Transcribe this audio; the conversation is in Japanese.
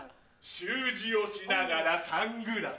習字をしながらサングラス